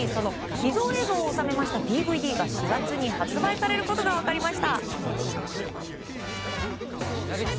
その秘蔵映像を収めたＤＶＤが４月に発売されることが分かりました。